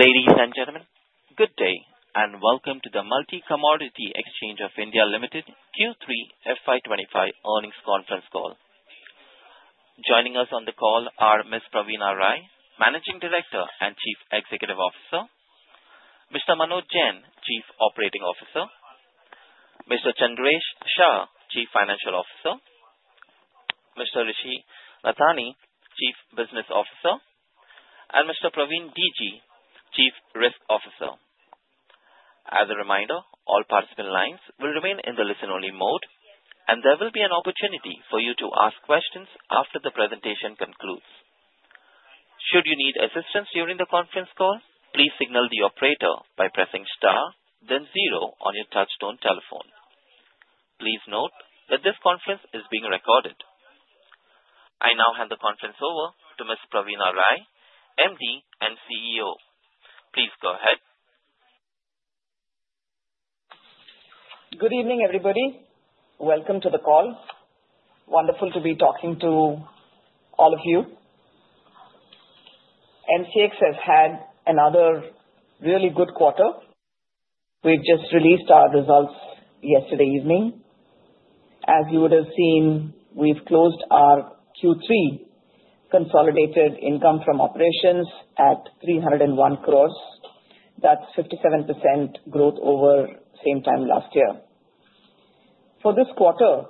Ladies and gentlemen, good day and welcome to the Multi Commodity Exchange of India Limited Q3 FY 2025 Earnings Conference call. Joining us on the call are Ms. Praveena Rai, Managing Director and Chief Executive Officer, Mr. Manoj Jain, Chief Operating Officer, Mr. Chandresh Shah, Chief Financial Officer, Mr. Rishi Nathany, Chief Business Officer, and Mr. Praveen DG, Chief Risk Officer. As a reminder, all participant lines will remain in the listen-only mode, and there will be an opportunity for you to ask questions after the presentation concludes. Should you need assistance during the conference call, please signal the operator by pressing star, then zero on your touch-tone telephone. Please note that this conference is being recorded. I now hand the conference over to Ms. Praveena Rai, MD and CEO. Please go ahead. Good evening, everybody. Welcome to the call. Wonderful to be talking to all of you. MCX has had another really good quarter. We've just released our results yesterday evening. As you would have seen, we've closed our Q3 consolidated income from operations at 301 crores. That's 57% growth over same time last year. For this quarter,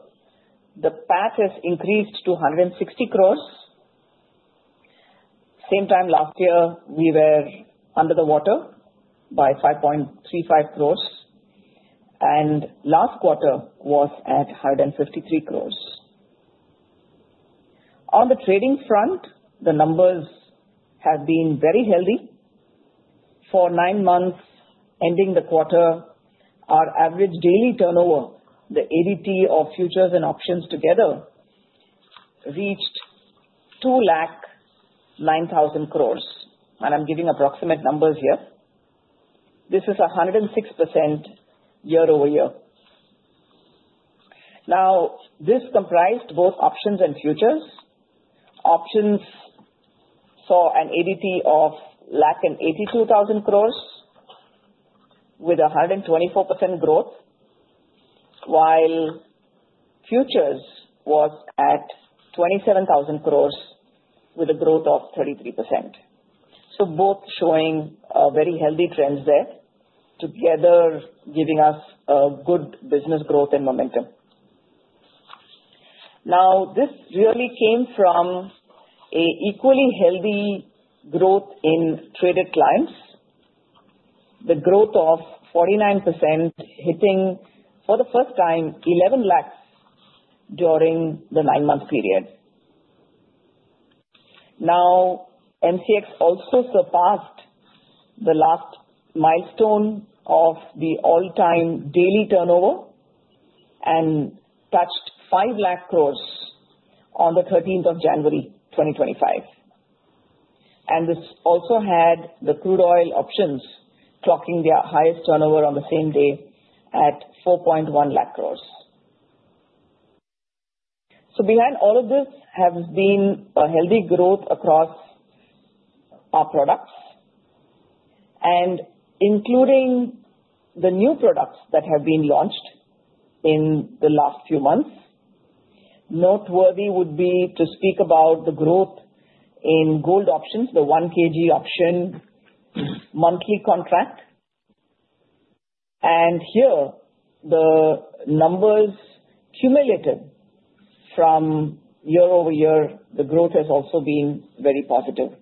the PAT has increased to 160 crores. Same time last year, we were under the water by 5.35 crores, and last quarter was at 153 crores. On the trading front, the numbers have been very healthy. For nine months ending the quarter, our average daily turnover, the ADT of futures and options together, reached 209,000 crores. And I'm giving approximate numbers here. This is 106% year-over-year. Now, this comprised both options and futures. Options saw an ADT of 182,000 crores with 124% growth, while futures was at 27,000 crores with a growth of 33%. So both showing very healthy trends there, together giving us good business growth and momentum. Now, this really came from an equally healthy growth in traded clients, the growth of 49% hitting for the first time 11 lakhs during the nine-month period. Now, MCX also surpassed the last milestone of the all-time daily turnover and touched 5 lakh crores on the 13th of January, 2025. And this also had the crude oil options clocking their highest turnover on the same day at 4.1 lakh crores. So behind all of this has been a healthy growth across our products, including the new products that have been launched in the last few months. Noteworthy would be to speak about the growth in gold options, the 1 kg option monthly contract. Here, the numbers cumulative from year-over-year, the growth has also been very positive.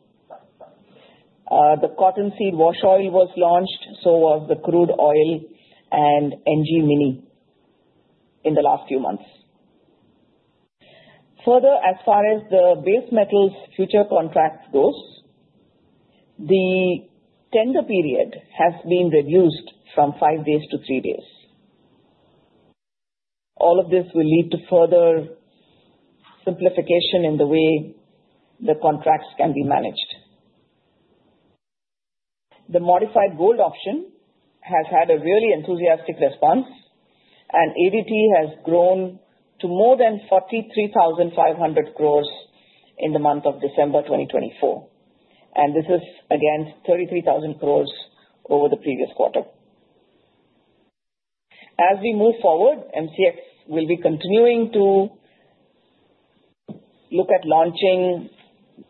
The Cottonseed Wash Oil was launched, so was the Crude Oil and NG Mini in the last few months. Further, as far as the base metals futures contract goes, the tender period has been reduced from five days to three days. All of this will lead to further simplification in the way the contracts can be managed. The modified gold option has had a really enthusiastic response, and ADT has grown to more than 43,500 crores in the month of December 2024. And this is against 33,000 crores over the previous quarter. As we move forward, MCX will be continuing to look at launching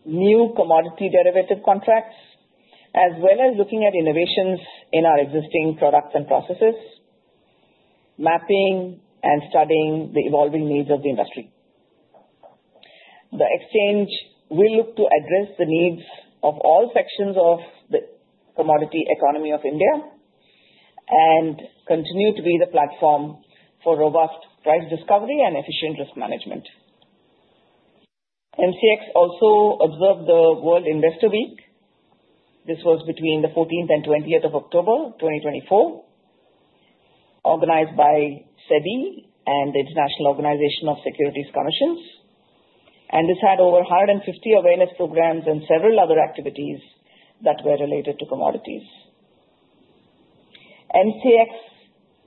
new commodity derivative contracts, as well as looking at innovations in our existing products and processes, mapping and studying the evolving needs of the industry. The exchange will look to address the needs of all sections of the commodity economy of India and continue to be the platform for robust price discovery and efficient risk management. MCX also observed the World Investor Week. This was between the 14th and 20th of October, 2024, organized by SEBI and the International Organization of Securities Commissions, and this had over 150 awareness programs and several other activities that were related to commodities. MCX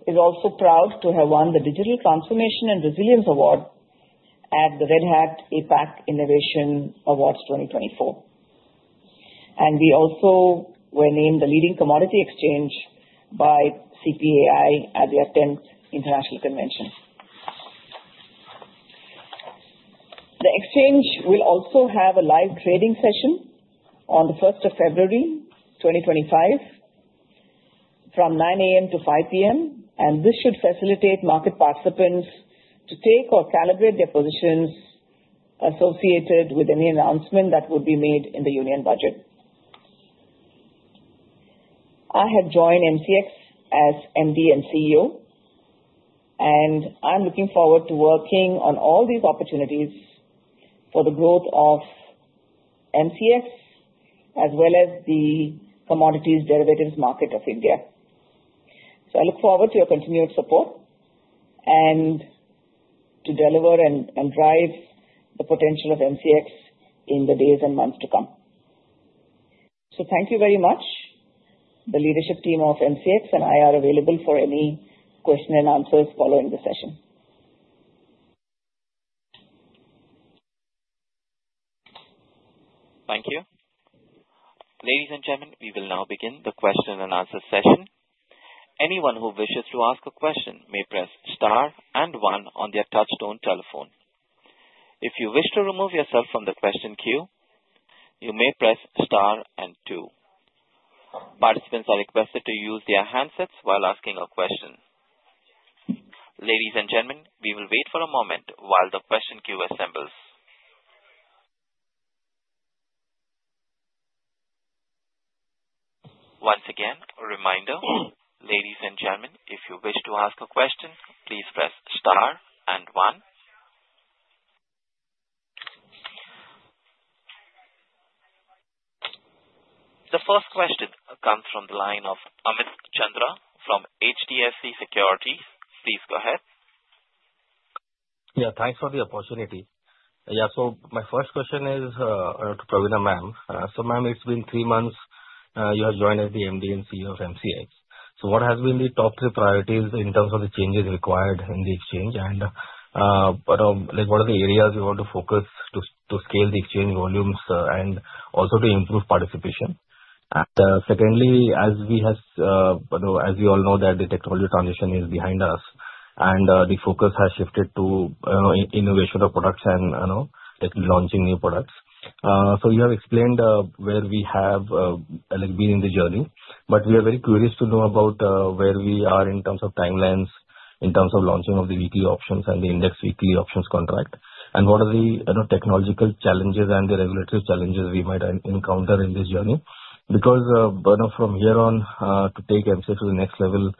is also proud to have won the Digital Transformation and Resilience Award at the Red Hat APAC Innovation Awards 2024, and we also were named the leading commodity exchange by CPAI at the 10th International Convention. The exchange will also have a live trading session on the 1st of February, 2025, from 9:00 A.M. to 5:00 P.M., and this should facilitate market participants to take or calibrate their positions associated with any announcement that would be made in the Union Budget. I have joined MCX as MD and CEO, and I'm looking forward to working on all these opportunities for the growth of MCX as well as the commodities derivatives market of India. So I look forward to your continued support and to deliver and drive the potential of MCX in the days and months to come. So thank you very much. The leadership team of MCX and I are available for any question and answers following the session. Thank you. Ladies and gentlemen, we will now begin the question-and-answer session. Anyone who wishes to ask a question may press star and one on their touch-tone telephone. If you wish to remove yourself from the question queue, you may press star and two. Participants are requested to use their handsets while asking a question. Ladies and gentlemen, we will wait for a moment while the question queue assembles. Once again, a reminder, ladies and gentlemen, if you wish to ask a question, please press star and one. The first question comes from the line of Amit Chandra from HDFC Securities. Please go ahead. Yeah, thanks for the opportunity. Yeah, so my first question is to Praveena ma'am. So ma'am, it's been three months you have joined as the MD and CEO of MCX. So what has been the top three priorities in terms of the changes required in the exchange? And what are the areas you want to focus to scale the exchange volumes and also to improve participation? Secondly, as we all know, the technology transition is behind us, and the focus has shifted to innovation of products and launching new products. So you have explained where we have been in the journey, but we are very curious to know about where we are in terms of timelines, in terms of launching of the weekly options and the index weekly options contract. And what are the technological challenges and the regulatory challenges we might encounter in this journey? Because from here on, to take MCX to the next level,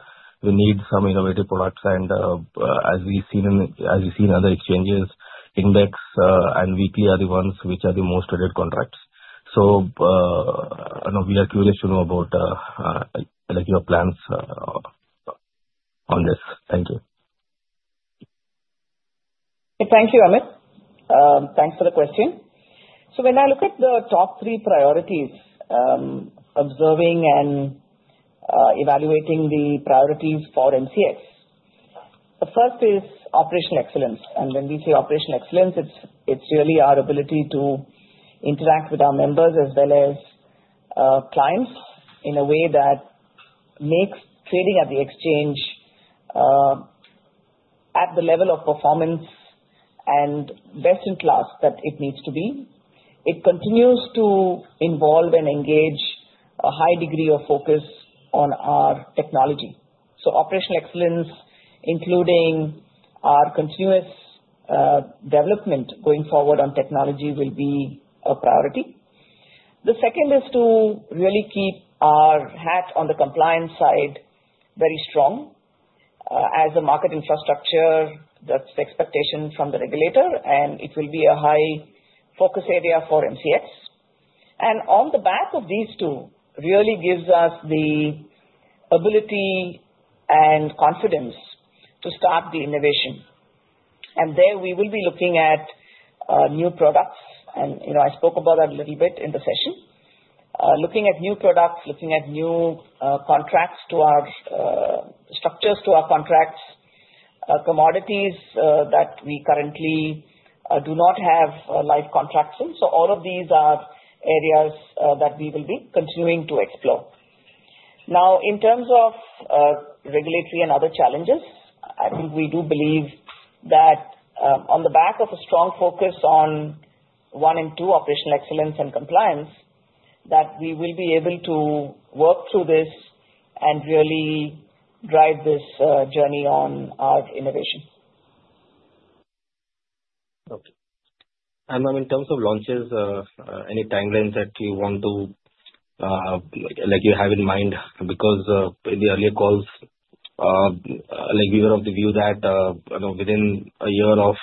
we need some innovative products. And as we've seen in other exchanges, index and weekly are the ones which are the most traded contracts. So we are curious to know about your plans on this. Thank you. Thank you, Amit. Thanks for the question. So when I look at the top three priorities, observing and evaluating the priorities for MCX, the first is operational excellence. And when we say operational excellence, it's really our ability to interact with our members as well as clients in a way that makes trading at the exchange at the level of performance and best in class that it needs to be. It continues to involve and engage a high degree of focus on our technology. So operational excellence, including our continuous development going forward on technology, will be a priority. The second is to really keep our hat on the compliance side very strong as a market infrastructure. That's the expectation from the regulator, and it will be a high focus area for MCX. And on the back of these two really gives us the ability and confidence to start the innovation. And there we will be looking at new products. And I spoke about that a little bit in the session. Looking at new products, looking at new contracts to our structures, to our contracts, commodities that we currently do not have live contracts in. So all of these are areas that we will be continuing to explore. Now, in terms of regulatory and other challenges, I think we do believe that on the back of a strong focus on one and two operational excellence and compliance, that we will be able to work through this and really drive this journey on our innovation. Okay. And in terms of launches, any timelines that you want to have in mind? Because in the earlier calls, we were of the view that within a year of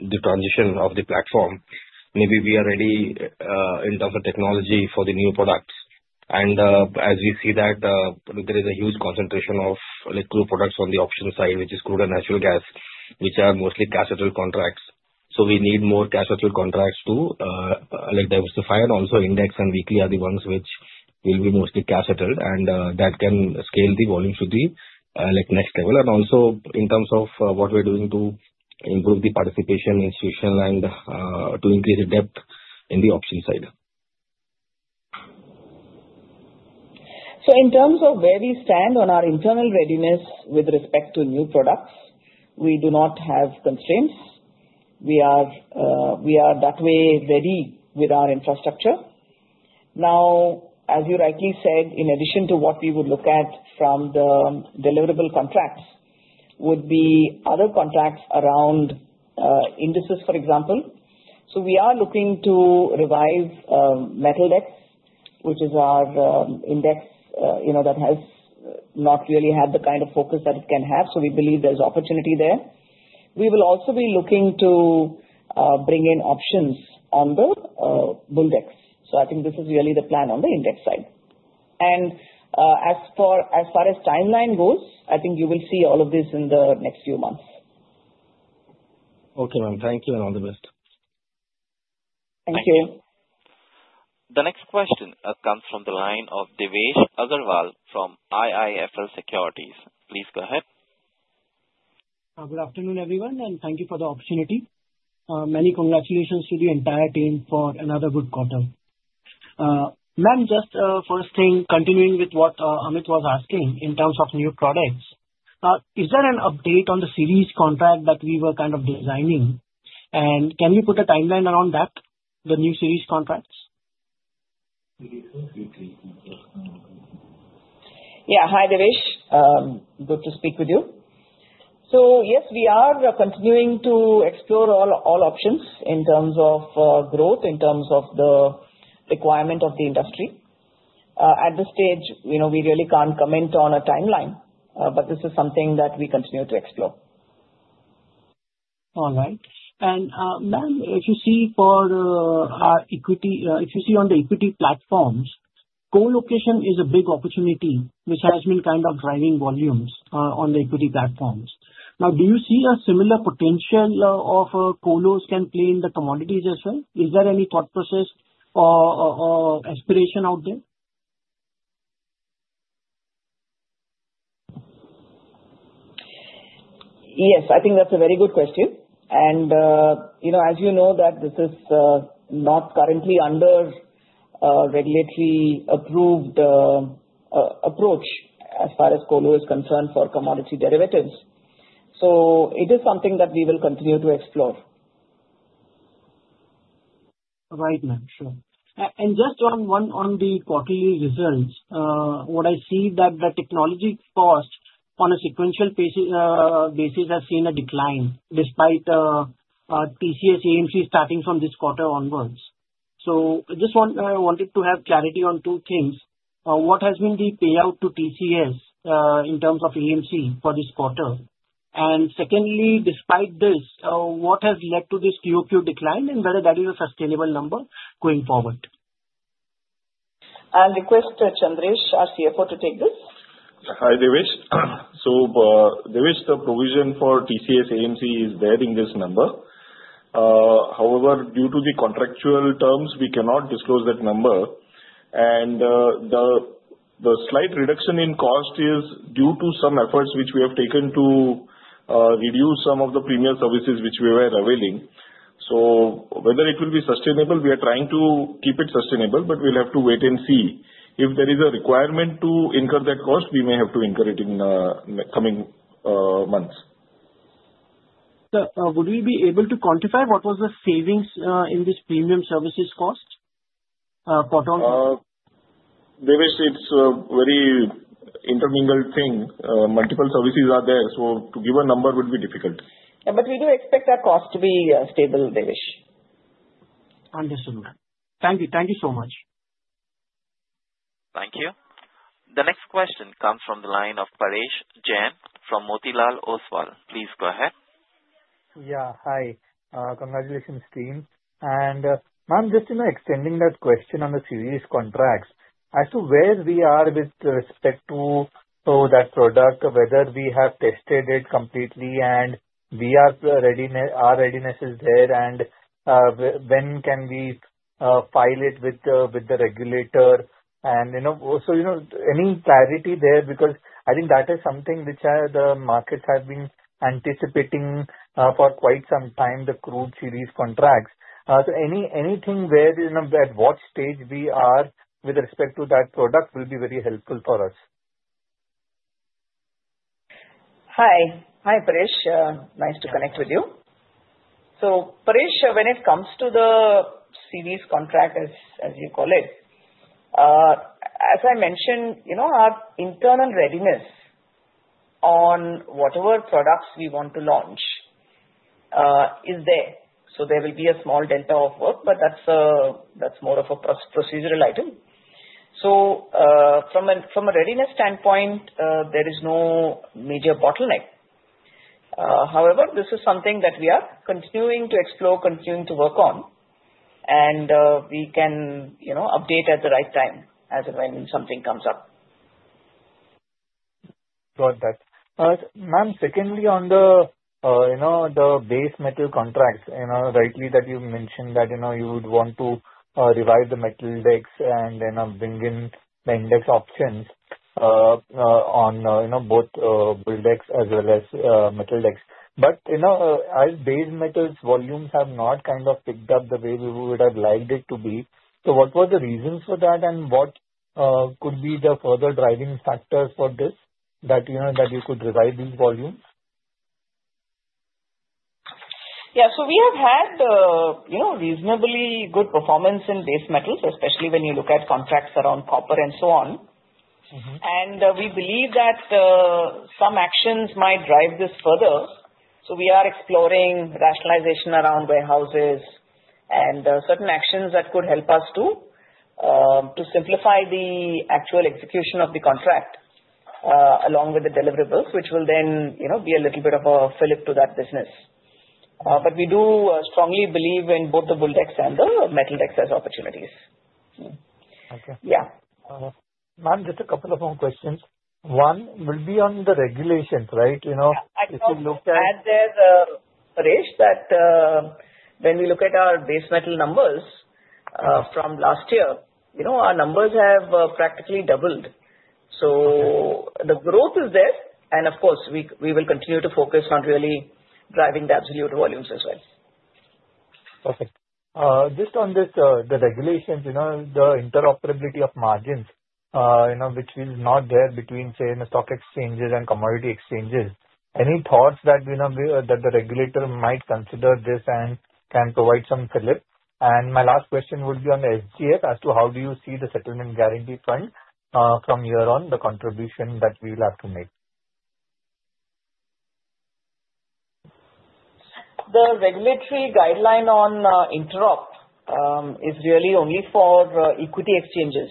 the transition of the platform, maybe we are ready in terms of technology for the new products. And as we see that, there is a huge concentration of crude products on the option side, which is crude and natural gas, which are mostly cash settled contracts. So we need more cash settled contracts to diversify and also index and weekly are the ones which will be mostly cash settled, and that can scale the volume to the next level. And also in terms of what we're doing to improve the institutional participation and to increase the depth in the option side. So in terms of where we stand on our internal readiness with respect to new products, we do not have constraints. We are that way ready with our infrastructure. Now, as you rightly said, in addition to what we would look at from the deliverable contracts would be other contracts around indices, for example. So we are looking to revive Metaldex, which is our index that has not really had the kind of focus that it can have. So we believe there's opportunity there. We will also be looking to bring in options on the BullDex. So I think this is really the plan on the index side. And as far as timeline goes, I think you will see all of this in the next few months. Okay, ma'am. Thank you, and all the best. Thank you. The next question comes from the line of Devesh Agarwal from IIFL Securities. Please go ahead. Good afternoon, everyone, and thank you for the opportunity. Many congratulations to the entire team for another good quarter. Ma'am, just first thing, continuing with what Amit was asking in terms of new products, is there an update on the series contract that we were kind of designing? And can you put a timeline around that, the new series contracts? Yeah. Hi, Devesh. Good to speak with you. So yes, we are continuing to explore all options in terms of growth, in terms of the requirement of the industry. At this stage, we really can't comment on a timeline, but this is something that we continue to explore. All right. And ma'am, if you see for our equity, if you see on the equity platforms, colocation is a big opportunity which has been kind of driving volumes on the equity platforms. Now, do you see a similar potential of colos can play in the commodities as well? Is there any thought process or aspiration out there? Yes, I think that's a very good question. And as you know, that this is not currently under regulatory approved approach as far as colo is concerned for commodity derivatives. So it is something that we will continue to explore. Right, ma'am. Sure. And just on the quarterly results, what I see that the technology cost on a sequential basis has seen a decline despite TCS AMC starting from this quarter onwards. So I just wanted to have clarity on two things. What has been the payout to TCS in terms of AMC for this quarter? And secondly, despite this, what has led to this QQ decline and whether that is a sustainable number going forward? Request Chandresh, our CFO, to take this. Hi, Devesh. So Devesh, the provision for TCS AMC is there in this number. However, due to the contractual terms, we cannot disclose that number. And the slight reduction in cost is due to some efforts which we have taken to reduce some of the premium services which we were availing. So whether it will be sustainable, we are trying to keep it sustainable, but we'll have to wait and see. If there is a requirement to incur that cost, we may have to incur it in the coming months. Would we be able to quantify what was the savings in which premium services cost? Devesh, it's a very intermingled thing. Multiple services are there. So to give a number would be difficult. Yeah, but we do expect our cost to be stable, Devesh. Understood. Thank you. Thank you so much. Thank you. The next question comes from the line of Prayesh Jain from Motilal Oswal. Please go ahead. Yeah, hi. Congratulations, team. And ma'am, just in extending that question on the series contracts, as to where we are with respect to that product, whether we have tested it completely and our readiness is there, and when can we file it with the regulator? And so any clarity there? Because I think that is something which the markets have been anticipating for quite some time, the crude series contracts. So anything where at what stage we are with respect to that product will be very helpful for us. Hi. Hi, Paresh. Nice to connect with you. So Paresh, when it comes to the series contract, as you call it, as I mentioned, our internal readiness on whatever products we want to launch is there. So there will be a small delta of work, but that's more of a procedural item. So from a readiness standpoint, there is no major bottleneck. However, this is something that we are continuing to explore, continuing to work on, and we can update at the right time when something comes up. Got that. Ma'am, secondly, on the base metal contracts, rightly, that you mentioned that you would want to revive the Metaldex and then bring in the index options on both BullDex as well as Metaldex. But as base metals, volumes have not kind of picked up the way we would have liked it to be. So what were the reasons for that, and what could be the further driving factors for this that you could revive these volumes? Yeah. So we have had reasonably good performance in base metals, especially when you look at contracts around copper and so on. And we believe that some actions might drive this further. So we are exploring rationalization around warehouses and certain actions that could help us to simplify the actual execution of the contract along with the deliverables, which will then be a little bit of a flip to that business. But we do strongly believe in both the BullDex and the Metaldex as opportunities. Yeah. Ma'am, just a couple of more questions. One will be on the regulations, right? If you look at. Yeah. I think add there, Paresh, that when we look at our base metal numbers from last year, our numbers have practically doubled. So the growth is there, and of course, we will continue to focus on really driving the absolute volumes as well. Perfect. Just on the regulations, the interoperability of margins, which is not there between, say, the stock exchanges and commodity exchanges. Any thoughts that the regulator might consider this and can provide some relief? And my last question would be on the SGF as to how do you see the settlement guarantee fund from here on the contribution that we will have to make? The regulatory guideline on interop is really only for equity exchanges.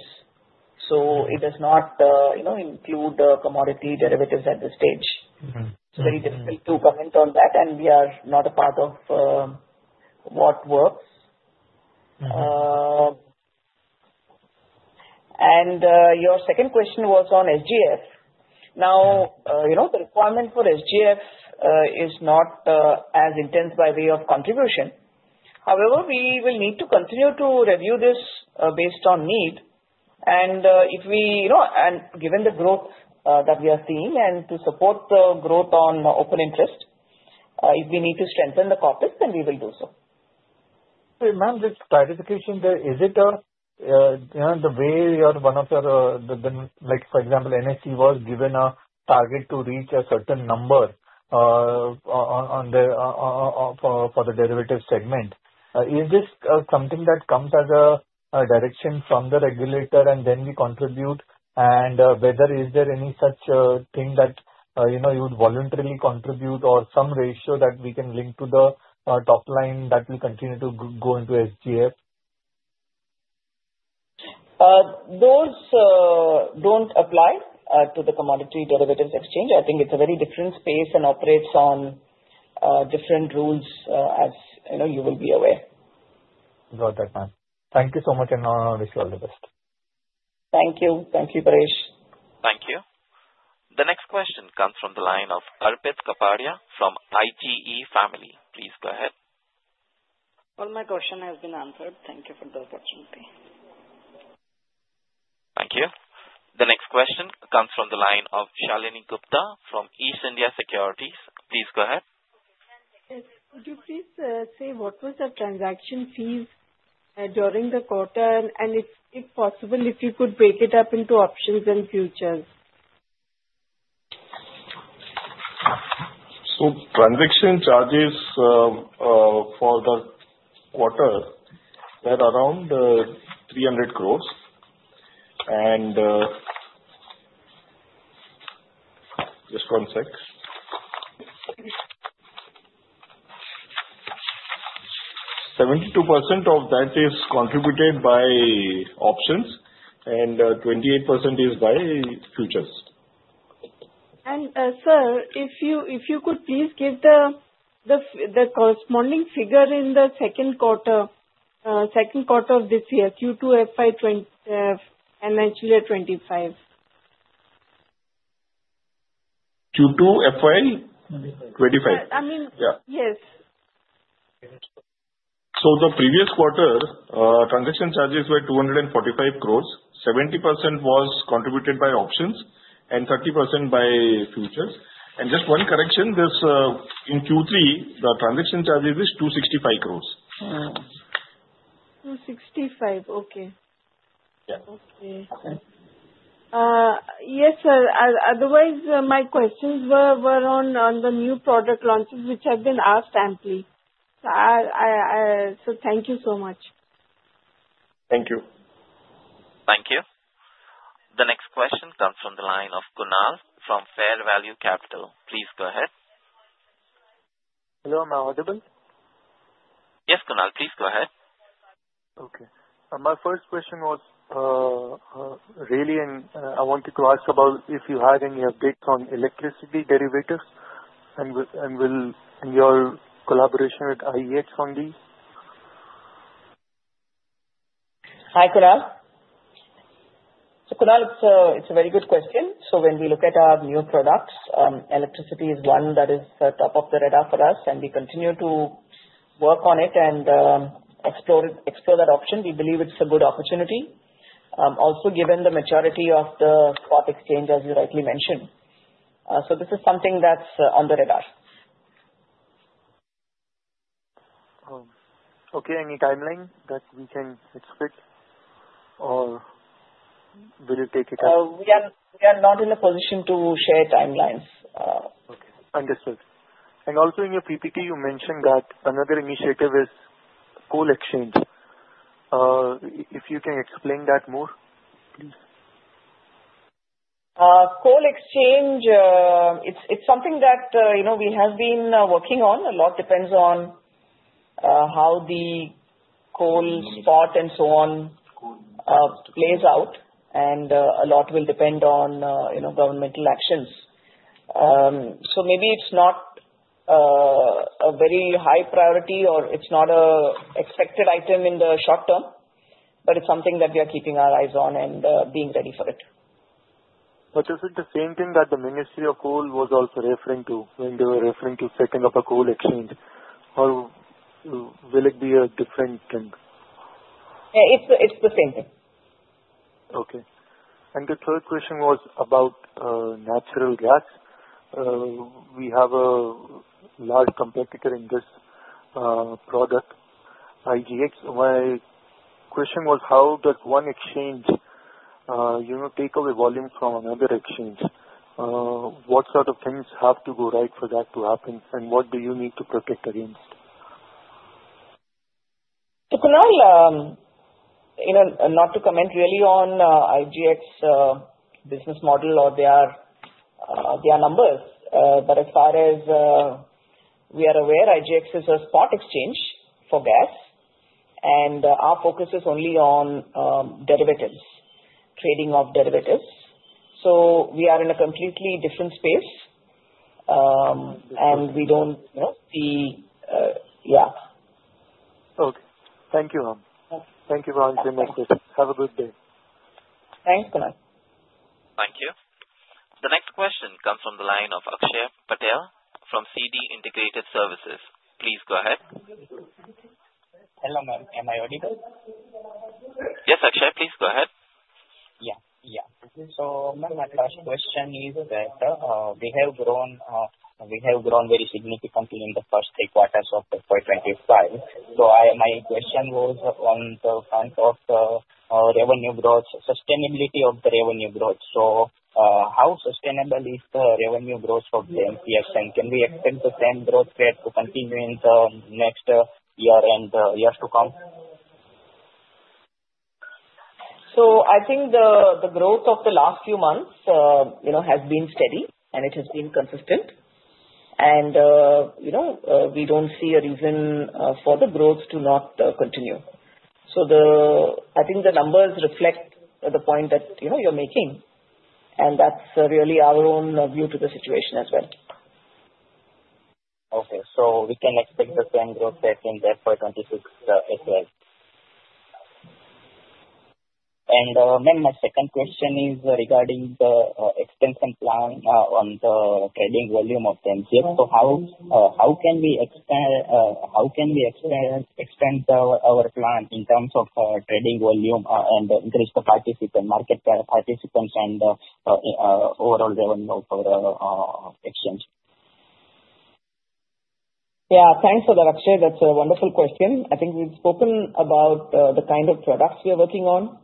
So it does not include commodity derivatives at this stage. It's very difficult to comment on that, and we are not a part of what works. And your second question was on SGF. Now, the requirement for SGF is not as intense by way of contribution. However, we will need to continue to review this based on need. And if we, given the growth that we are seeing and to support the growth on open interest, if we need to strengthen the corpus, then we will do so. Ma'am, this clarification, is it the way one of your, for example, NSE was given a target to reach a certain number for the derivative segment? Is this something that comes as a direction from the regulator, and then we contribute? And whether is there any such thing that you would voluntarily contribute or some ratio that we can link to the top line that will continue to go into SGF? Those don't apply to the commodity derivatives exchange. I think it's a very different space and operates on different rules, as you will be aware. Got that, ma'am. Thank you so much, and I wish you all the best. Thank you. Thank you, Paresh. Thank you. The next question comes from the line of Arpit Kapadia from ITE Family Office. Please go ahead. All my questions have been answered. Thank you for the opportunity. Thank you. The next question comes from the line of Shalini Gupta from East India Securities. Please go ahead. Could you please say what was the transaction fees during the quarter, and if possible, if you could break it up into options and futures? Transaction charges for the quarter were around INR 300 crores. Just one sec. 72% of that is contributed by options, and 28% is by futures. And sir, if you could please give the corresponding figure in the second quarter of this year, Q2 FY 2025? Q2 FY 2025? I mean, yes. The previous quarter, Transaction Charges were 245 crores. 70% was contributed by options and 30% by futures. Just one correction, in Q3, the Transaction Charges is 265 crores. Okay. Yes, sir. Otherwise, my questions were on the new product launches which have been asked amply. So thank you so much. Thank you. Thank you. The next question comes from the line of Kunal from Fair Value Capital. Please go ahead. Hello. Am I audible? Yes, Kunal. Please go ahead. Okay. My first question was really, and I wanted to ask about if you had any updates on electricity derivatives and your collaboration with IEX on these. Hi, Kunal. So Kunal, it's a very good question. So when we look at our new products, electricity is one that is top of the radar for us, and we continue to work on it and explore that option. We believe it's a good opportunity, also given the maturity of the spot exchange, as you rightly mentioned. So this is something that's on the radar. Okay. Any timeline that we can expect? Or will you take it? We are not in a position to share timelines. Okay. Understood. And also in your PPT, you mentioned that another initiative is coal exchange. If you can explain that more, please. Coal exchange, it's something that we have been working on. A lot depends on how the coal spot and so on plays out, and a lot will depend on governmental actions. So maybe it's not a very high priority, or it's not an expected item in the short term, but it's something that we are keeping our eyes on and being ready for it. But is it the same thing that the Ministry of Coal was also referring to when they were referring to setting up a coal exchange? Or will it be a different thing? It's the same thing. Okay, and the third question was about natural gas. We have a large competitor in this product, IGX. My question was, how does one exchange take away volume from another exchange? What sort of things have to go right for that to happen? And what do you need to protect against? Kunal, not to comment really on IGX business model or their numbers, but as far as we are aware, IGX is a spot exchange for gas, and our focus is only on derivatives, trading of derivatives. We are in a completely different space, and we don't see yeah. Okay. Thank you, ma'am. Thank you for answering my question. Have a good day. Thanks, Kunal. Thank you. The next question comes from the line of Akshay Patel from CD Integrated Services. Please go ahead. Hello, ma'am. Am I audible? Yes, Akshay, please go ahead. So ma'am, my first question is that we have grown very significantly in the first three quarters of 2025. So my question was on the front of revenue growth, sustainability of the revenue growth. So how sustainable is the revenue growth of the MCX? And can we expect the same growth rate to continue in the next year and years to come? So I think the growth of the last few months has been steady, and it has been consistent. And we don't see a reason for the growth to not continue. So I think the numbers reflect the point that you're making, and that's really our own view to the situation as well. Okay. So we can expect the same growth rate in there for 2026 as well. And ma'am, my second question is regarding the extension plan on the trading volume of the MCX. So how can we extend our plan in terms of trading volume and increase the market participants and overall revenue for the exchange? Yeah. Thanks for that, Akshay. That's a wonderful question. I think we've spoken about the kind of products we are working on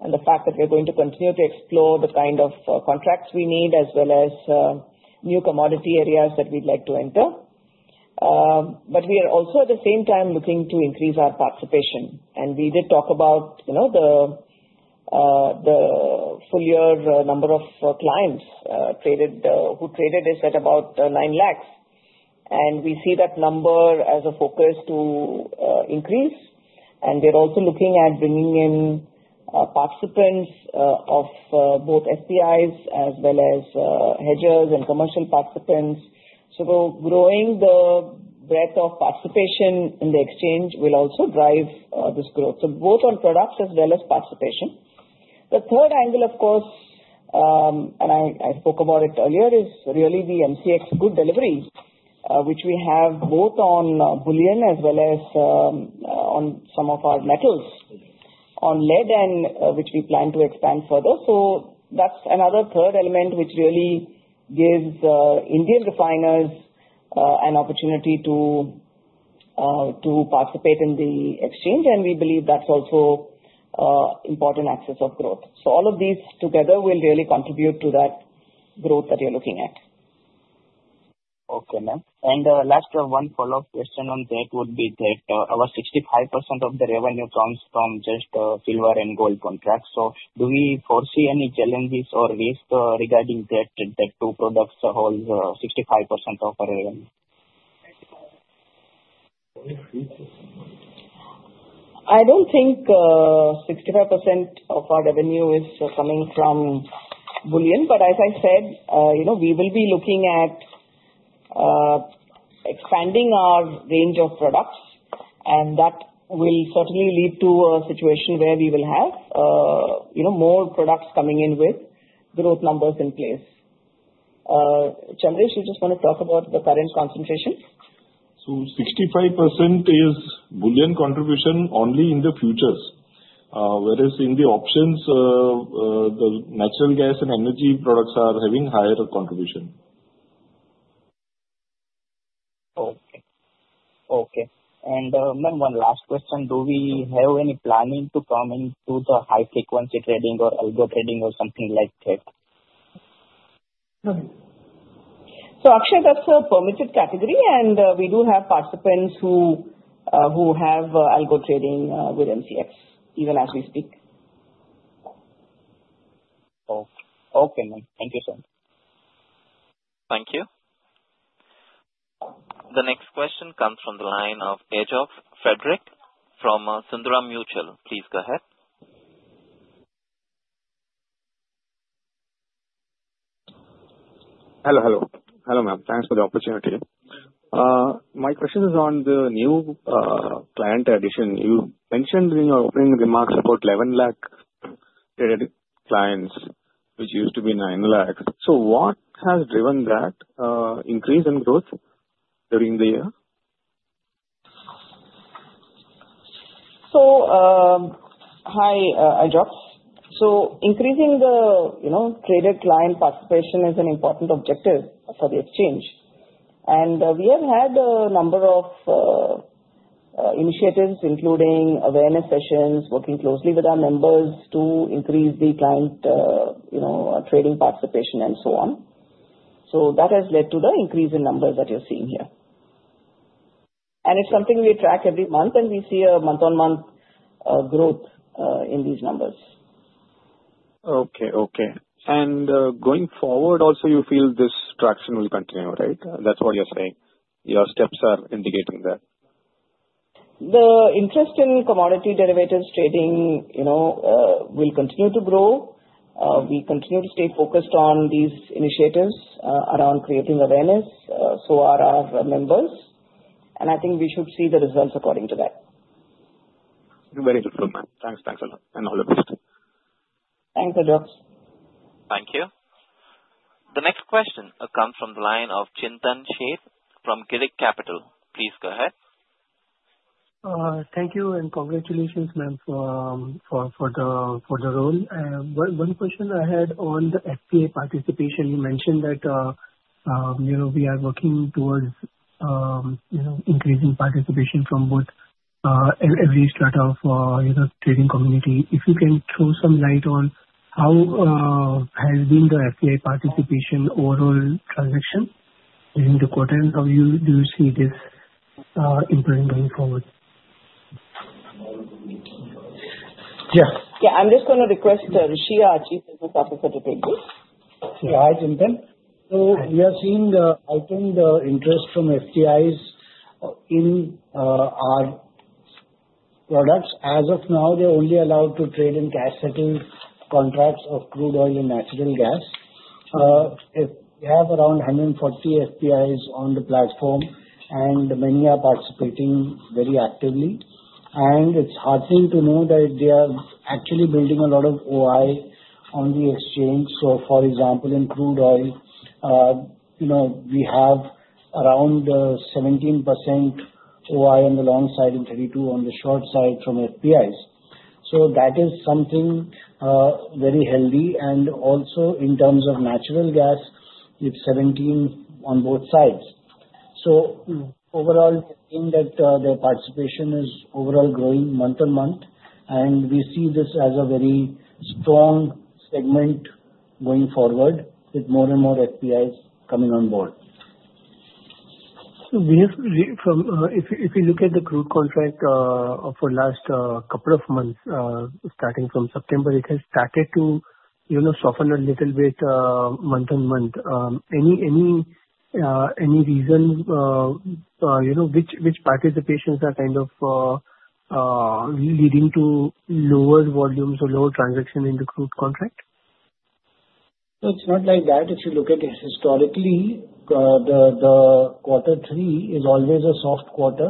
and the fact that we're going to continue to explore the kind of contracts we need as well as new commodity areas that we'd like to enter. But we are also, at the same time, looking to increase our participation. And we did talk about the full year number of clients who traded is at about 9 lakhs. And we see that number as a focus to increase. And we're also looking at bringing in participants of both FPIs as well as hedgers and commercial participants. So growing the breadth of participation in the exchange will also drive this growth. So both on products as well as participation. The third angle, of course, and I spoke about it earlier, is really the MCX good delivery, which we have both on bullion as well as on some of our metals, on lead, which we plan to expand further. So that's another third element which really gives Indian refiners an opportunity to participate in the exchange. And we believe that's also important axis of growth. So all of these together will really contribute to that growth that you're looking at. Okay, ma'am. And last one, follow-up question on that would be that our 65% of the revenue comes from just silver and gold contracts. So do we foresee any challenges or risks regarding that two products hold 65% of our revenue? I don't think 65% of our revenue is coming from bullion. But as I said, we will be looking at expanding our range of products, and that will certainly lead to a situation where we will have more products coming in with growth numbers in place. Chandresh, you just want to talk about the current concentration? 65% is bullion contribution only in the futures, whereas in the options, the natural gas and energy products are having higher contribution. Okay. And ma'am, one last question. Do we have any planning to come into the high-frequency trading or algo trading or something like that? So Akshay, that's a permitted category, and we do have participants who have algo trading with MCX even as we speak. Okay. Thank you, sir. Thank you. The next question comes from the line of Ajox Frederick from Sundaram Mutual. Please go ahead. Hello, ma'am. Thanks for the opportunity. My question is on the new client addition. You mentioned in your opening remarks about 11 lakh traded clients, which used to be 9 lakhs. So what has driven that increase in growth during the year? So hi, Ajox. So increasing the traded client participation is an important objective for the exchange. And we have had a number of initiatives, including awareness sessions, working closely with our members to increase the client trading participation and so on. So that has led to the increase in numbers that you're seeing here. And it's something we track every month, and we see a month-on-month growth in these numbers. Okay. And going forward, also, you feel this traction will continue, right? That's what you're saying. Your steps are indicating that. The interest in commodity derivatives trading will continue to grow. We continue to stay focused on these initiatives around creating awareness so our members, and I think we should see the results according to that. Very good, ma'am. Thanks. Thanks a lot, and all the best. Thanks, Ajox. Thank you. The next question comes from the line of Chintan Sheth from Girik Capital. Please go ahead. Thank you and congratulations, ma'am, for the role. One question I had on the FPI participation. You mentioned that we are working towards increasing participation from both every strata of the trading community. If you can throw some light on how has been the FPI participation overall transaction during the quarter, and how do you see this improving going forward? Yeah. Yeah. I'm just going to request Rishi, our Chief Business Officer, to take this. Yeah, hi, Chintan. We are seeing the heightened interest from FPIs in our products. As of now, they're only allowed to trade in cash-settled contracts of crude oil and natural gas. We have around 140 FPIs on the platform, and many are participating very actively. It's heartening to know that they are actually building a lot of OI on the exchange. For example, in crude oil, we have around 17% OI on the long side and 32% on the short side from FPIs. That is something very healthy. Also, in terms of natural gas, it's 17% on both sides. Overall, we've seen that their participation is overall growing month-on-month, and we see this as a very strong segment going forward with more and more FPIs coming on board. So if you look at the crude contract for the last couple of months, starting from September, it has started to soften a little bit month-on-month. Any reason why participants are kind of leading to lower volumes or lower transactions in the crude contract? It's not like that. If you look at historically, the quarter three is always a soft quarter,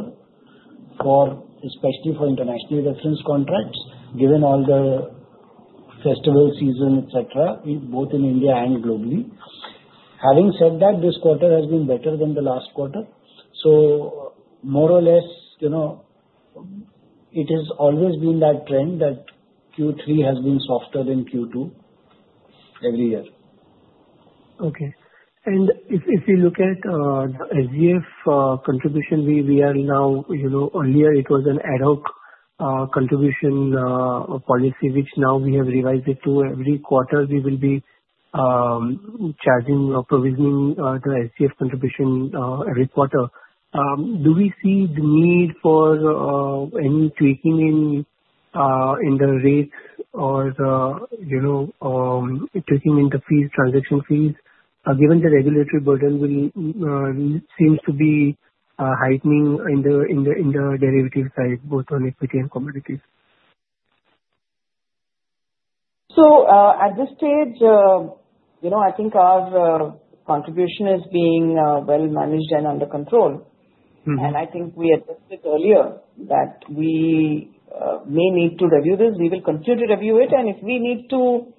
especially for international reference contracts, given all the festival season, etc., both in India and globally. Having said that, this quarter has been better than the last quarter. More or less, it has always been that trend that Q3 has been softer than Q2 every year. Okay. And if you look at the SGF contribution, we are now earlier. It was an ad hoc contribution policy, which now we have revised it to every quarter. We will be charging or provisioning the SGF contribution every quarter. Do we see the need for any tweaking in the rates or tweaking in the transaction fees, given the regulatory burden seems to be heightening in the derivative side, both on equity and commodities? So at this stage, I think our contribution is being well managed and under control. And I think we addressed it earlier that we may need to review this. We will continue to review it. And if we need to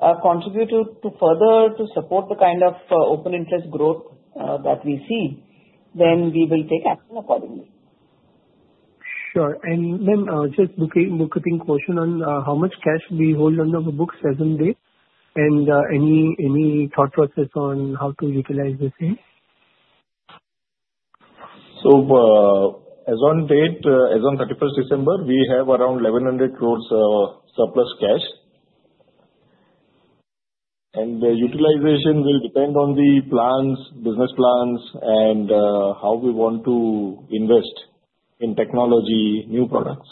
contribute further to support the kind of open interest growth that we see, then we will take action accordingly. Sure. And ma'am, just a quick question on how much cash we hold on the books as of date, and any thought process on how to utilize this? As of date, as of 31st December, we have around 1,100 crores surplus cash. The utilization will depend on the business plans and how we want to invest in technology, new products.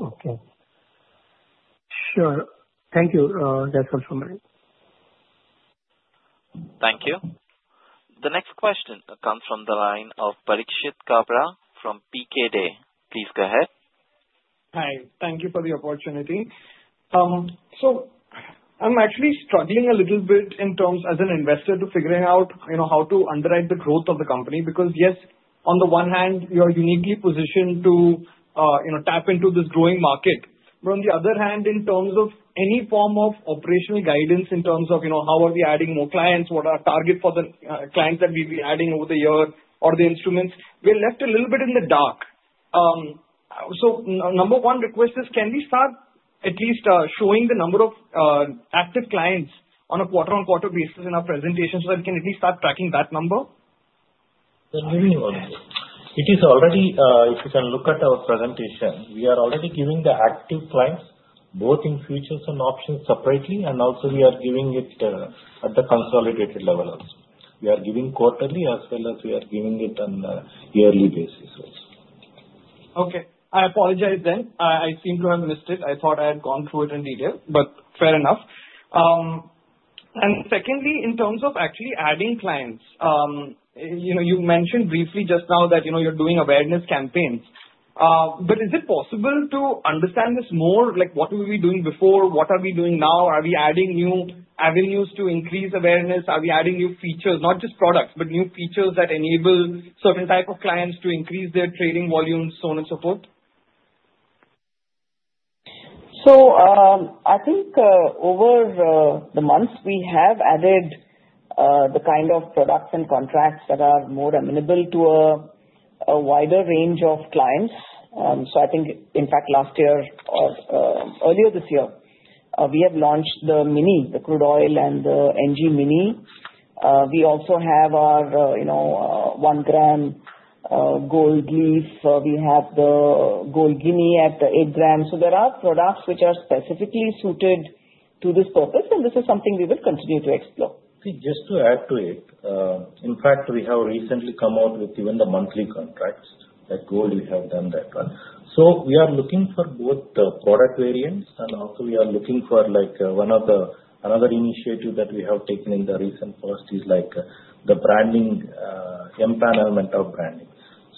Okay. Sure. Thank you. That's all from me. Thank you. The next question comes from the line of Parikshit Kabra from P K D & Associates. Please go ahead. Hi. Thank you for the opportunity, so I'm actually struggling a little bit in terms as an investor to figure out how to underwrite the growth of the company because, yes, on the one hand, you're uniquely positioned to tap into this growing market. But on the other hand, in terms of any form of operational guidance in terms of how are we adding more clients, what are our targets for the clients that we'll be adding over the year, or the instruments, we're left a little bit in the dark, so number one request is, can we start at least showing the number of active clients on a quarter-on-quarter basis in our presentation so that we can at least start tracking that number? It is already, if you can look at our presentation, we are already giving the active clients both in futures and options separately, and also we are giving it at the consolidated level also. We are giving quarterly as well as we are giving it on a yearly basis also. Okay. I apologize then. I seem to have missed it. I thought I had gone through it in detail, but fair enough. And secondly, in terms of actually adding clients, you mentioned briefly just now that you're doing awareness campaigns. But is it possible to understand this more? What were we doing before? What are we doing now? Are we adding new avenues to increase awareness? Are we adding new features, not just products, but new features that enable certain types of clients to increase their trading volumes, so on and so forth? So I think over the months, we have added the kind of products and contracts that are more amenable to a wider range of clients. So I think, in fact, last year or earlier this year, we have launched the Mini, the crude oil and the NG Mini. We also have our one gram Gold Leaf. We have the Gold Guinea at the eight gram. So there are products which are specifically suited to this purpose, and this is something we will continue to explore. Okay. Just to add to it, in fact, we have recently come out with even the monthly contracts for gold. We have done that one. So we are looking for both the product variants, and also we are looking for one of the other initiatives that we have taken in the recent past is the MCX element of branding.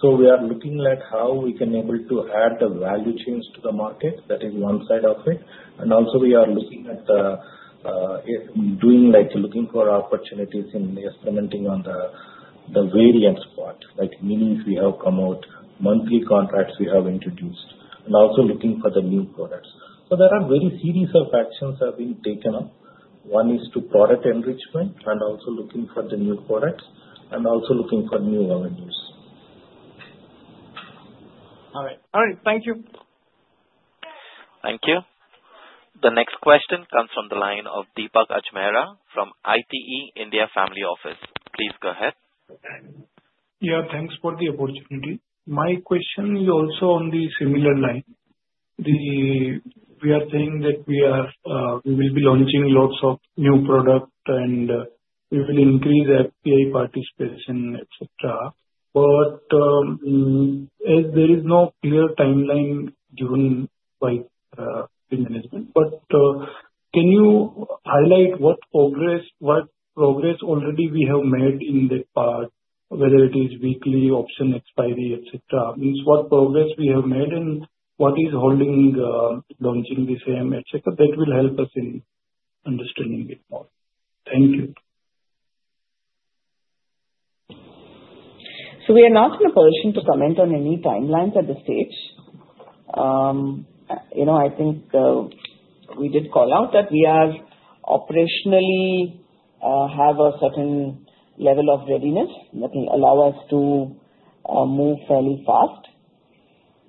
So we are looking at how we can be able to add the value chains to the market. That is one side of it. And also, we are looking at looking for opportunities in experimenting on the variant part, meaning we have come out monthly contracts we have introduced, and also looking for the new products. So there are very serious actions that have been taken up. One is to product enrichment and also looking for the new products and also looking for new avenues. All right. All right. Thank you. Thank you. The next question comes from the line of Deepak Ajmera from ITE India Family Office. Please go ahead. Yeah. Thanks for the opportunity. My question is also on the similar line. We are saying that we will be launching lots of new products, and we will increase FPI participation, etc. But there is no clear timeline given by the management. But can you highlight what progress already we have made in that part, whether it is weekly option expiry, etc.? What progress we have made and what is holding launching the same, etc.? That will help us in understanding it more. Thank you. We are not in a position to comment on any timelines at this stage. I think we did call out that we operationally have a certain level of readiness that will allow us to move fairly fast.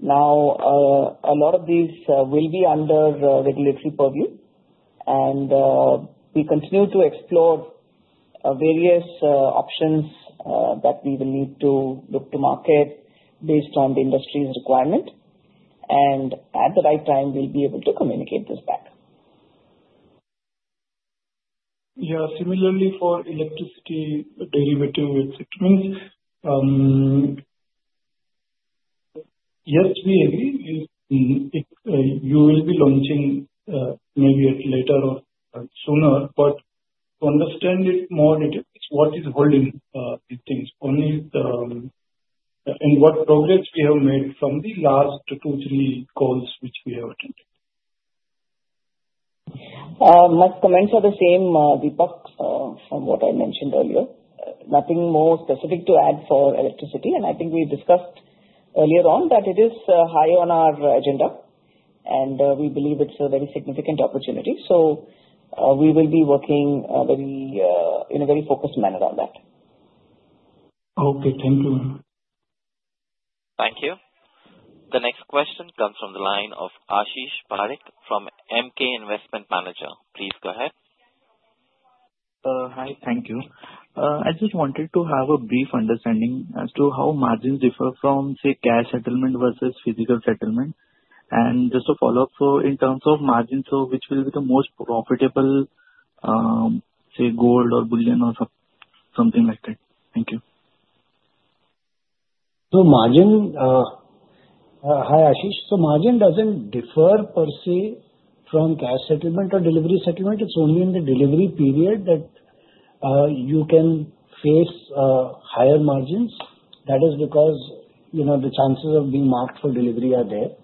Now, a lot of these will be under regulatory purview, and we continue to explore various options that we will need to look to market based on the industry's requirement. At the right time, we'll be able to communicate this back. Yeah. Similarly, for electricity derivatives, it means yes, we agree you will be launching maybe later or sooner, but to understand it more detailed, what is holding these things and what progress we have made from the last two, three calls which we have attended. My comments are the same, Deepak, from what I mentioned earlier. Nothing more specific to add for electricity, and I think we discussed earlier on that it is high on our agenda, and we believe it's a very significant opportunity, so we will be working in a very focused manner on that. Okay. Thank you. Thank you. The next question comes from the line of Ashish Parikh from Emkay Investment Managers. Please go ahead. Hi. Thank you. I just wanted to have a brief understanding as to how margins differ from, say, cash settlement versus physical settlement, and just a follow-up in terms of margins, which will be the most profitable, say, gold or bullion or something like that. Thank you. So, margin hi, Ashish. Margin doesn't differ per se from cash settlement or delivery settlement. It's only in the delivery period that you can face higher margins. That is because the chances of being marked for delivery are there.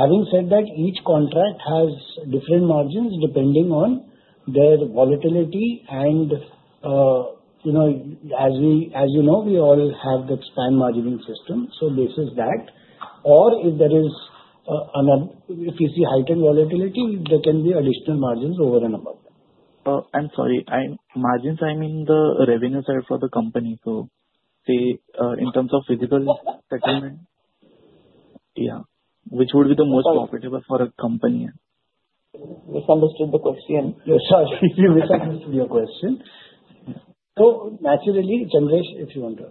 Having said that, each contract has different margins depending on their volatility. And as you know, we all have the SPAN margining system. So this is that. Or, if there is, if you see heightened volatility, there can be additional margins over and above that. I'm sorry. Margins, I mean the revenue side for the company. So say in terms of physical settlement, yeah, which would be the most profitable for a company? Misunderstood the question. Sorry. Misunderstood your question, so naturally, if you want to.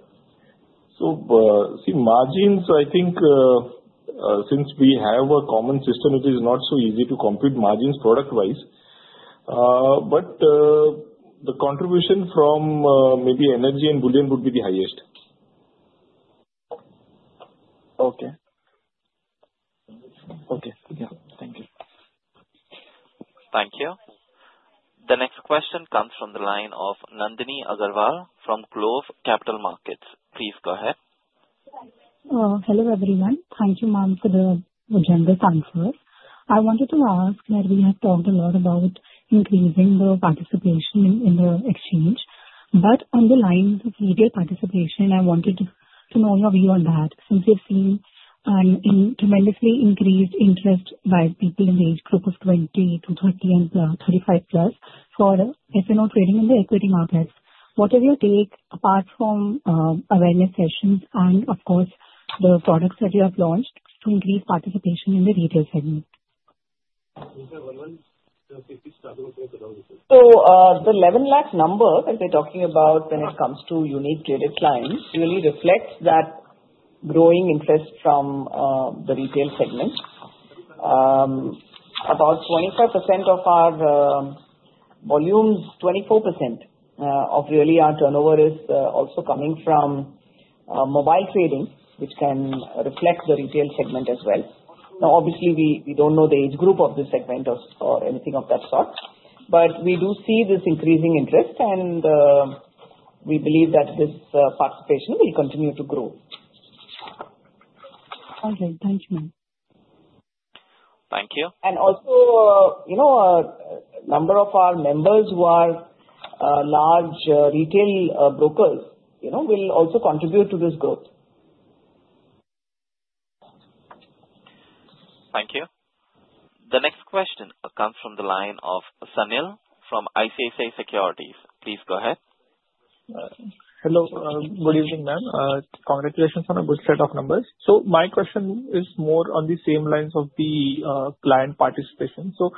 So see, margins, I think since we have a common system, it is not so easy to compute margins product-wise. But the contribution from maybe energy and bullion would be the highest. Okay. Okay. Yeah. Thank you. Thank you. The next question comes from the line of Nandini Agarwal from Globe Capital Markets. Please go ahead. Hello, everyone. Thank you, ma'am, for the generous answers. I wanted to ask that we have talked a lot about increasing the participation in the exchange. But on the lines of millennial participation, I wanted to know your view on that since we have seen a tremendously increased interest by people in the age group of 20-30 and 35+ for F&O trading in the equity markets. What is your take apart from awareness sessions and, of course, the products that you have launched to increase participation in the retail segment? So the 11 lakh number that we're talking about when it comes to unique traded clients really reflects that growing interest from the retail segment. About 25% of our volumes, 24% of really our turnover is also coming from mobile trading, which can reflect the retail segment as well. Now, obviously, we don't know the age group of this segment or anything of that sort. But we do see this increasing interest, and we believe that this participation will continue to grow. Okay. Thank you, ma'am. Thank you. Also, a number of our members who are large retail brokers will also contribute to this growth. Thank you. The next question comes from the line of Sunil from ICICI Securities. Please go ahead. Hello. Good evening, ma'am. Congratulations on a good set of numbers. So my question is more on the same lines of the client participation. So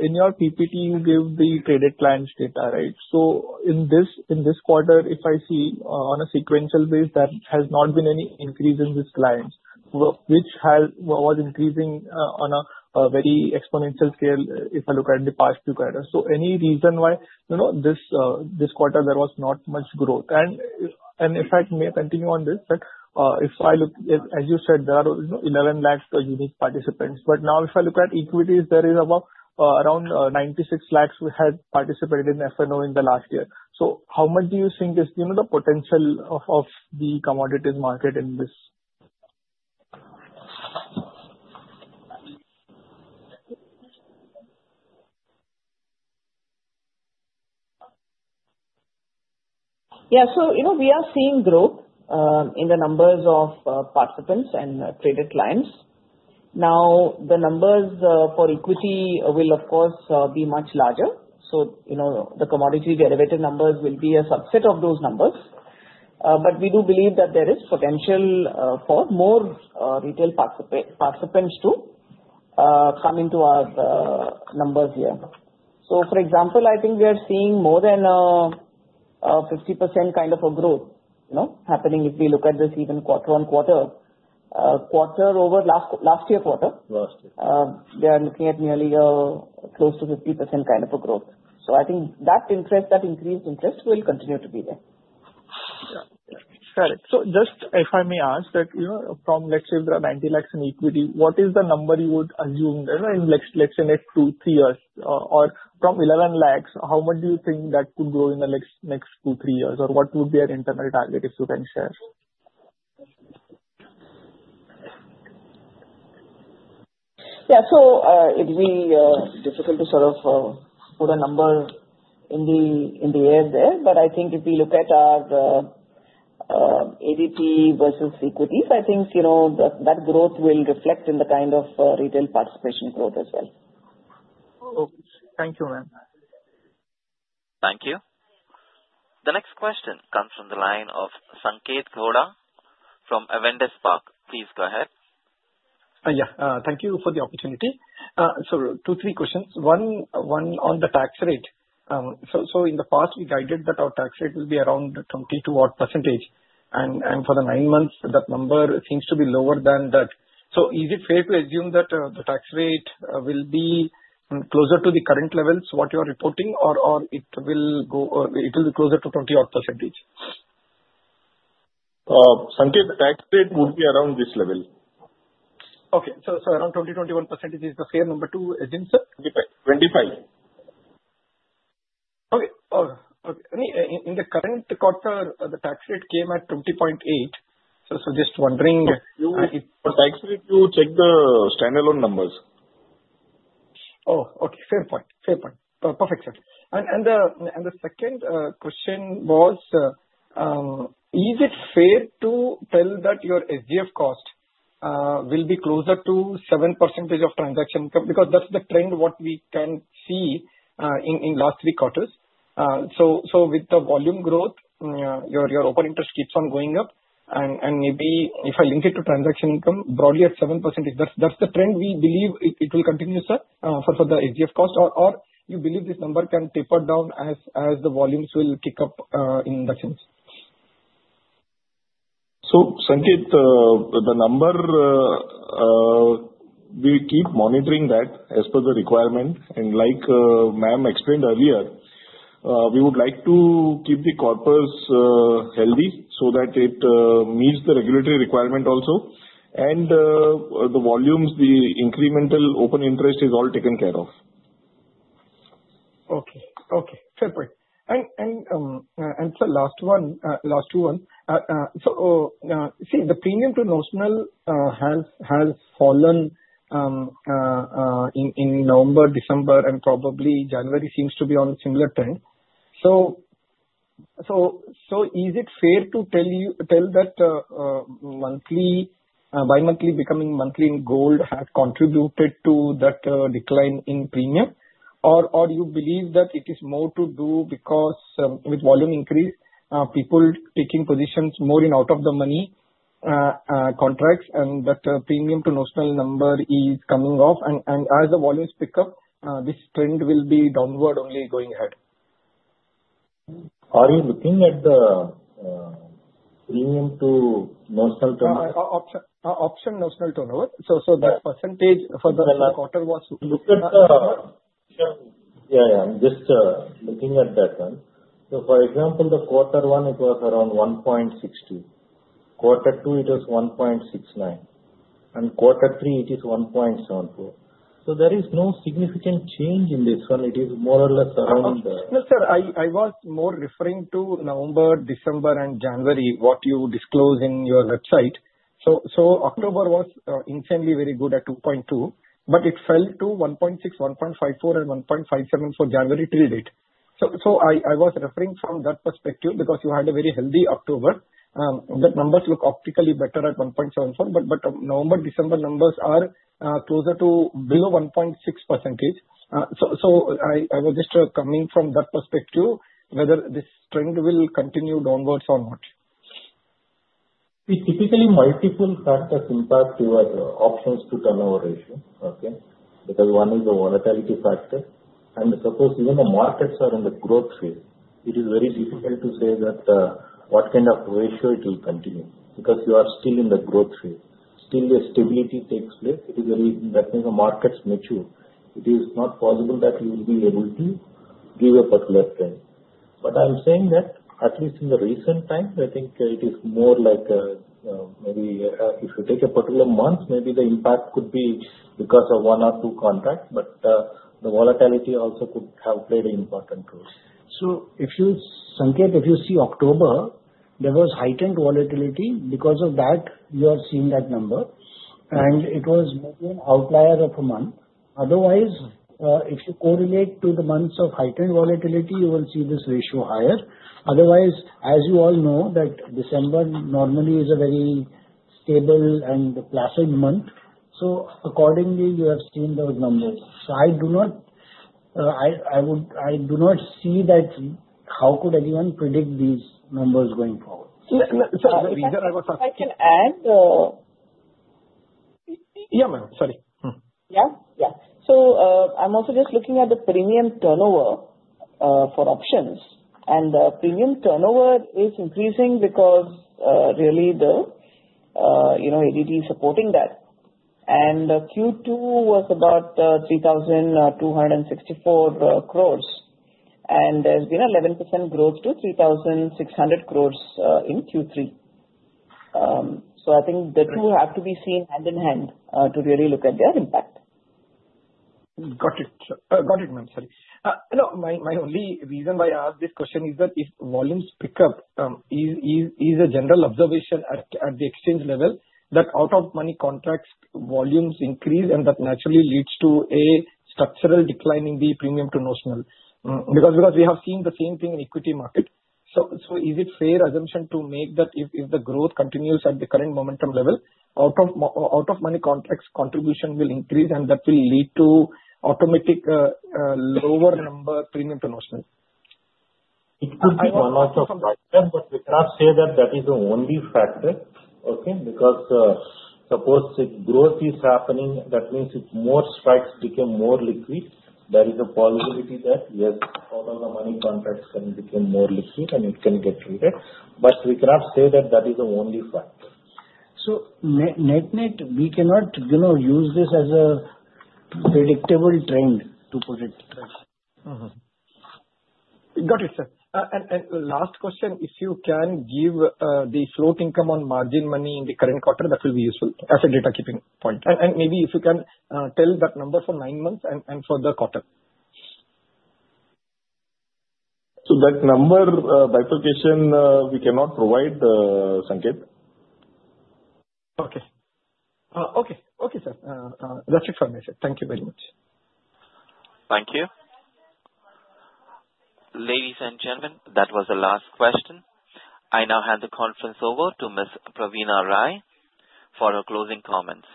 in your PPT, you give the traded clients' data, right? So in this quarter, if I see on a sequential basis, there has not been any increase in these clients, which was increasing on a very exponential scale if I look at the past two quarters. So any reason why this quarter there was not much growth? And in fact, may I continue on this? But if I look, as you said, there are 11 lakh unique participants. But now, if I look at equities, there is about around 96 lakhs who had participated in F&O in the last year. So how much do you think is the potential of the commodities market in this? Yeah. So we are seeing growth in the numbers of participants and traded clients. Now, the numbers for equity will, of course, be much larger. So the commodity derivative numbers will be a subset of those numbers. But we do believe that there is potential for more retail participants to come into our numbers here. So for example, I think we are seeing more than 50% kind of a growth happening if we look at this even quarter-on-quarter. Last quarter, year-on-year, they are looking at nearly close to 50% kind of a growth. So I think that increased interest will continue to be there. Got it. So just if I may ask that from, let's say, the 90 lakhs in equity, what is the number you would assume in, let's say, next two, three years? Or from 11 lakhs, how much do you think that could grow in the next two, three years? Or what would be an internal target, if you can share? Yeah, so it will be difficult to sort of put a number in the air there. But I think if we look at our ADT versus equities, I think that growth will reflect in the kind of retail participation growth as well. Okay. Thank you, ma'am. Thank you. The next question comes from the line of Sanketh Godha from Avendus Spark. Please go ahead. Yeah. Thank you for the opportunity. So two, three questions. One on the tax rate. So in the past, we guided that our tax rate will be around 22-odd%. And for the nine months, that number seems to be lower than that. So is it fair to assume that the tax rate will be closer to the current levels, what you are reporting, or it will be closer to 20-odd%? Sanketh, the tax rate would be around this level. Okay. So around 20%-21% is the fair number to assume, sir? 25. Okay. In the current quarter, the tax rate came at 20.8%. So just wondering. For tax rate, you check the standalone numbers. Oh, okay. Fair point. Fair point. Perfect, sir. And the second question was, is it fair to tell that your SGF cost will be closer to 7% of transaction income? Because that's the trend what we can see in last three quarters. So with the volume growth, your open interest keeps on going up. And maybe if I link it to transaction income broadly at 7%, that's the trend we believe it will continue, sir, for the SGF cost. Or you believe this number can taper down as the volumes will kick up in that sense? So Sanketh, the number, we keep monitoring that as per the requirement. And like ma'am explained earlier, we would like to keep the corpus healthy so that it meets the regulatory requirement also. And the volumes, the incremental open interest is all taken care of. Okay. Okay. Fair point. And sir, last two ones. So see, the premium to notional has fallen in November, December, and probably January seems to be on a similar trend. So is it fair to tell that bi-monthly becoming monthly in gold has contributed to that decline in premium? Or you believe that it is more to do because with volume increase, people taking positions more in out-of-the-money contracts and that premium to notional number is coming off. And as the volumes pick up, this trend will be downward only going ahead. Are you looking at the premium to notional turnover? Option notional turnover. So that percentage for the quarter was. Look at that one. I'm just looking at that one. So for example, the quarter one, it was around 1.60. Quarter two, it was 1.69. And quarter three, it is 1.74. So there is no significant change in this one. It is more or less around. No, sir. I was more referring to November, December, and January what you disclose in your website. So October was insanely very good at 2.2, but it fell to 1.6, 1.54, and 1.57 for January traded. So I was referring from that perspective because you had a very healthy October. The numbers look optically better at 1.74, but November, December numbers are closer to below 1.6%. So I was just coming from that perspective whether this trend will continue downwards or not? We typically multiple factors impact your options to turnover ratio, okay? Because one is the volatility factor, and suppose even the markets are in the growth phase, it is very difficult to say that what kind of ratio it will continue because you are still in the growth phase. Still, the stability takes place. That means the markets mature. It is not possible that you will be able to give a particular trend, but I'm saying that at least in the recent times, I think it is more like maybe if you take a particular month, maybe the impact could be because of one or two contracts, but the volatility also could have played an important role. So Sanketh, if you see October, there was heightened volatility. Because of that, you are seeing that number. And it was maybe an outlier of a month. Otherwise, if you correlate to the months of heightened volatility, you will see this ratio higher. Otherwise, as you all know, that December normally is a very stable and placid month. So accordingly, you have seen those numbers. So I do not see how anyone could predict these numbers going forward. Sorry. I can add. Yeah, ma'am. Sorry. Yeah. Yeah. So I'm also just looking at the premium turnover for options. And the premium turnover is increasing because really the ADT is supporting that. And Q2 was about 3,264 crores. And there's been an 11% growth to 3,600 crores in Q3. So I think the two have to be seen hand in hand to really look at their impact. Got it. Got it, ma'am. Sorry. No, my only reason why I asked this question is that if volumes pick up, is a general observation at the exchange level that out-of-money contracts volumes increase and that naturally leads to a structural decline in the premium to notional? Because we have seen the same thing in equity market. So is it fair assumption to make that if the growth continues at the current momentum level, out-of-money contracts contribution will increase and that will lead to automatic lower number premium to notional? It could be one of the factors, but we cannot say that that is the only factor, okay? Because suppose if growth is happening, that means if more strikes become more liquid, there is a possibility that, yes, all of the money contracts can become more liquid and it can get traded. But we cannot say that that is the only factor. Net net, we cannot use this as a predictable trend to put it. Got it, sir. And last question, if you can give the float income on margin money in the current quarter, that will be useful as a data keeping point. And maybe if you can tell that number for nine months and for the quarter. So that number bifurcation, we cannot provide, Sanketh. Okay, sir. That's it from me, sir. Thank you very much. Thank you. Ladies and gentlemen, that was the last question. I now hand the conference over to Ms. Praveena Rai for her closing comments.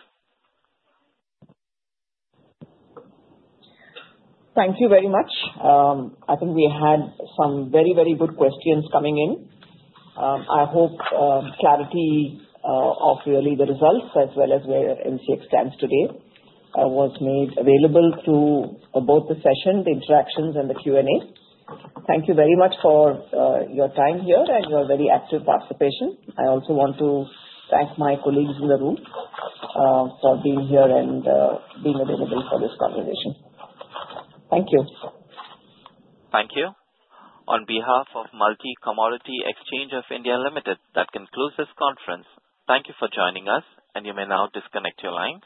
Thank you very much. I think we had some very, very good questions coming in. I hope clarity of really the results as well as where MCX stands today was made available through both the session, the interactions, and the Q&A. Thank you very much for your time here and your very active participation. I also want to thank my colleagues in the room for being here and being available for this conversation. Thank you. Thank you. On behalf of Multi Commodity Exchange of India Limited, that concludes this conference. Thank you for joining us, and you may now disconnect your line.